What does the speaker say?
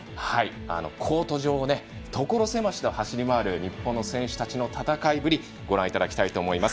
コート上を所狭しと走り回る日本の選手たちの戦いぶりご覧いただきたいと思います。